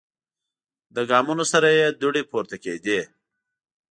له ګامونو سره یې دوړې پورته کیدې.